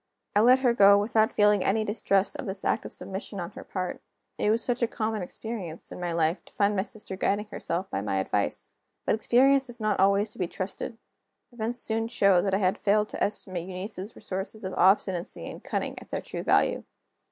I let her go without feeling any distrust of this act of submission on her part; it was such a common experience, in my life, to find my sister guiding herself by my advice. But experience is not always to be trusted. Events soon showed that I had failed to estimate Eunice's resources of obstinacy and cunning at their true value.